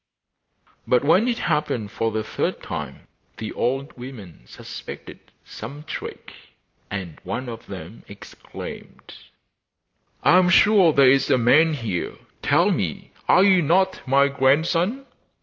But when it happened for the third time the old women suspected some trick, and one of them exclaimed: 'I am sure there is a man here; tell me, are you not my grandson?